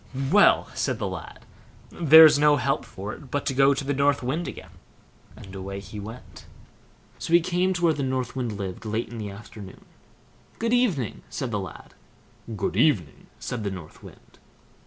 "Well", said the lad, "there's no help for it but to go to the North Wind again"; and away he went. So he came to where the North Wind lived late in the afternoon. "Good evening!" said the lad. "Good evening!" said the North Wind.